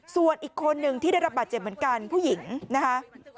ส่วนอีกคนนึงที่ได้รับบาดเจ็บเหมือนกันผู้หญิงนะคะ